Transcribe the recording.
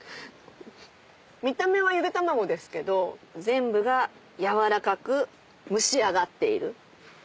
見た目はゆで卵ですけど全部が軟らかく蒸し上がっている。